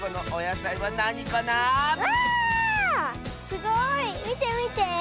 すごい。みてみて。